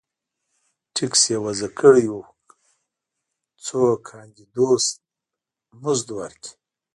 ټکس یې وضعه کړی و څو کاندیدوس ته مزد ورکړي